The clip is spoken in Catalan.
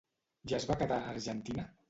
Ja es va quedar a Argentina?